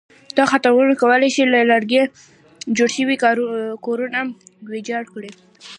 دغه خطرونه کولای شي له لرګي جوړ شوي کورونه ویجاړ کړي.